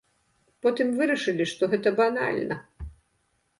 Потым вырашылі што гэта банальна.